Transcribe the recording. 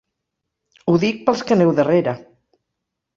Ho dic pels que aneu darrera.